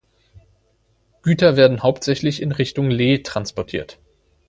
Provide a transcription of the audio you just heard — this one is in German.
Güter werden hauptsächlich in Richtung Leh transportiert.